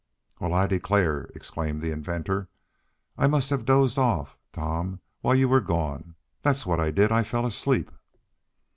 "Well, I declare!" exclaimed the inventor. "I must have dozed off, Tom, while you were gone. That's what I did. I fell asleep!"